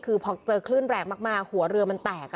คือพอเจอขึ้นแรงมากมากหัวเรือมันแตก